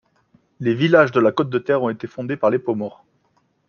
Les villages de la côte de Ter ont été fondés par les Pomors.